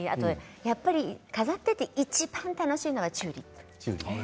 やっぱり飾っていていちばん楽しいのはチューリップ。